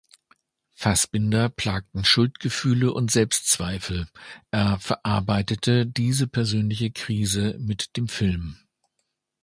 Fassbinder plagten Schuldgefühle und Selbstzweifel; er verarbeitete diese persönliche Krise mit dem Film.